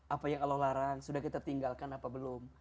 apa yang allah larang sudah kita tinggalkan apa belum